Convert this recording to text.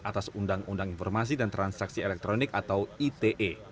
atas undang undang informasi dan transaksi elektronik atau ite